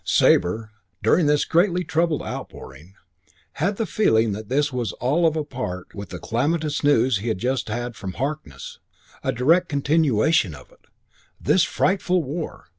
Sabre, during this greatly troubled outpouring, had the feeling that this was all of a part with the calamitous news he had just had from Harkness, a direct continuation of it. This frightful war!